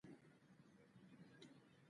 دوه کنجرې خانې هم وې.